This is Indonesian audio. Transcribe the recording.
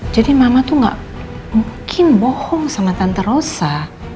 jadi mama tuh gak mungkin bohong sama tante rosa